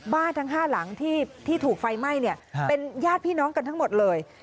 ทั้ง๕หลังที่ถูกไฟไหม้เป็นญาติพี่น้องกันทั้งหมดเลย